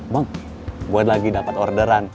bang buat lagi dapat orderan